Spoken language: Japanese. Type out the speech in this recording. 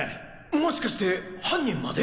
もしかして犯人まで？